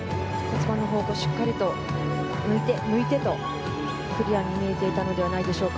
方向もしっかり向いてクリアに見えていたのではないでしょうか。